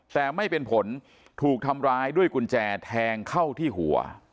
แต่ไม่เป็นผลถูกทำร้ายด้วยกุญแจแทงเข้าที่หัว